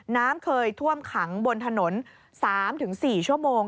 น้ำเคยท่วมขังบนถนน๓๔ชั่วโมง